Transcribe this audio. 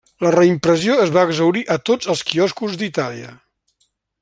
La reimpressió es va exhaurir a tots els quioscos d'Itàlia.